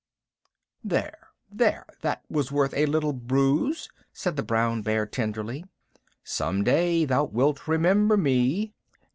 "There there! That was worth a little bruise," said the brown bear tenderly. "Some day thou wilt remember me."